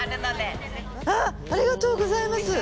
ありがとうございます。